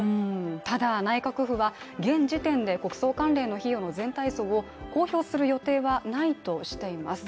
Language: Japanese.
ただ、内閣府は現時点で国葬関連の費用の全体像を公表する予定はないとしています。